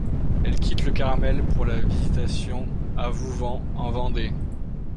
Elle quitte le Carmel pour la Visitation à Vouvant en Vendée.